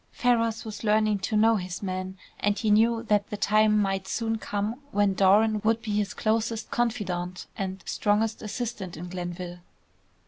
Ferrars was learning to know his man, and he knew that the time might soon come when Doran would be his closest confidant and strongest assistant in Glenville.